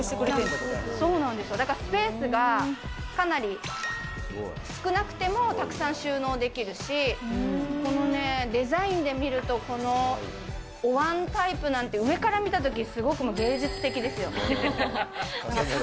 だからスペースがかなり少なくてもたくさん収納できるし、このデザインで見ると、このおわんタイプなんて、上から見たとき、すごく芸術的ですよ。